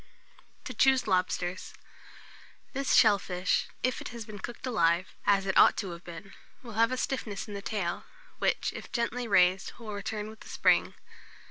TO CHOOSE LOBSTERS. This shell fish, if it has been cooked alive, as it ought to have been, will have a stiffness in the tail, which, if gently raised, will return with a spring.